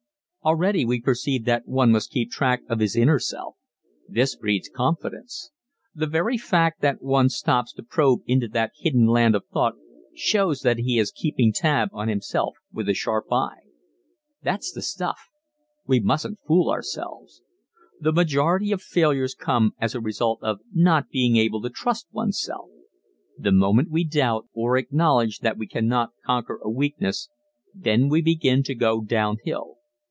Already we perceive that one must keep track of his inner self. This breeds confidence. The very fact that one stops to probe into that hidden land of thought shows that he is keeping tab on himself with a sharp eye. That's the stuff! We mustn't fool ourselves. The majority of failures come as a result of not being able to trust one's self. The moment we doubt, or acknowledge that we cannot conquer a weakness, then we begin to go down hill.